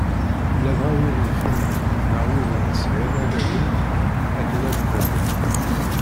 Ladɣa wid yeffren, neɣ wid ur nesɛi ara allalen akken ad d-banen.